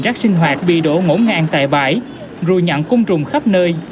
rác sinh hoạt bị đổ ngỗ ngang tại bãi rùi nhặn cung trùng khắp nơi